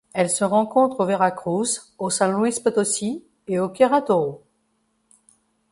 Elle se rencontre au Veracruz, au San Luis Potosí et au Querétaro.